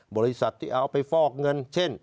บริษัทที่เอาไปฟอกเงินเช่น